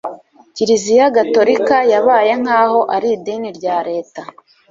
kiliziya gatolika yabaye nk'aho ari idini rya leta